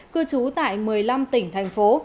cư trú tại một mươi năm tỉnh thành phố